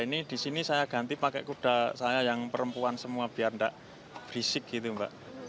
ini di sini saya ganti pakai kuda saya yang perempuan semua biar enggak berisik gitu mbak